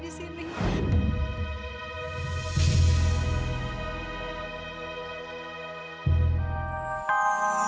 ini bukan kemauan saya